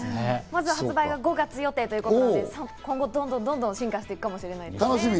発売が５月予定ということで今後どんどん進化していくかもしれないですね。